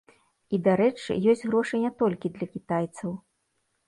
І, дарэчы, ёсць грошы не толькі для кітайцаў.